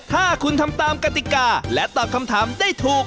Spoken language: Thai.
ถ้าคุณทำตามกติกาและตอบคำถามได้ถูก